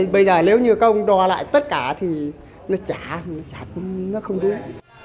bây giờ nếu như các ông đò lại tất cả thì nó chả nó không đúng